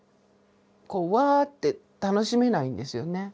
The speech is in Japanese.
こうワッて楽しめないんですよね。